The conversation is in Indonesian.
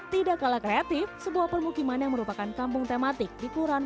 tidak kalah kreatif sebuah permukiman yang merupakan kampung tematik di kuran